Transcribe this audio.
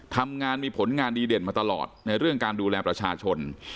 ทำงานมีผลงานดีเด่นมาตลอดในเรื่องการดูแลประชาชน